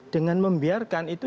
dengan membiarkan itu